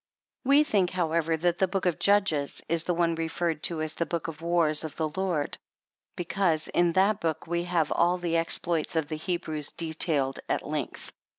We think, however, that the Book of Judges is the one referred to as the Book of the wars of the Lord; because, in that book we have all the exploits of the Hebrews detailed at length.